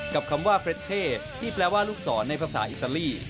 คำว่าเฟรชเช่ที่แปลว่าลูกศรในภาษาอิตาลี